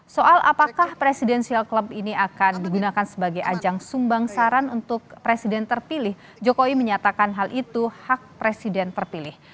soal apakah presidensial club ini akan digunakan sebagai ajang sumbang saran untuk presiden terpilih jokowi menyatakan hal itu hak presiden terpilih